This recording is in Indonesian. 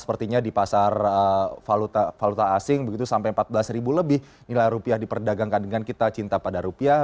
sepertinya di pasar valuta asing begitu sampai empat belas ribu lebih nilai rupiah diperdagangkan dengan kita cinta pada rupiah